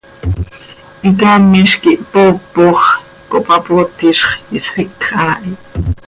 Hicaamiz quih hpoopox, cohpapootizx, ihsfíc haa hi.